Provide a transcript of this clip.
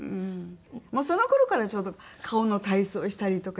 その頃からちょうど顔の体操したりとか一生懸命。